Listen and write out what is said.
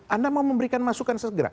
anda mau memberikan masukan segera